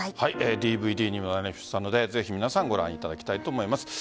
ＤＶＤにもなりましたのでぜひ皆さんご覧いただきたいと思います。